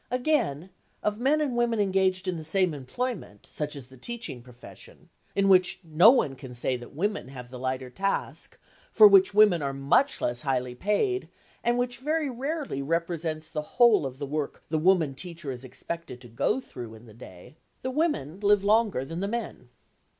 Again, of men and women engaged in the same employment, such as the teaching profession—in which no one can say that women have the lighter task, for which women are much less highly paid, and which very rarely represents the whole of the work the woman teacher is expected to get through in the day—the women live longer than the men.